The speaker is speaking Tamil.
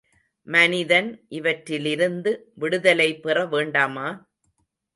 மனிதன் இவற்றிலிருந்து விடுதலை பெற வேண்டாமா?